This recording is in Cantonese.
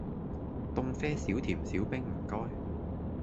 凍啡少甜少冰唔該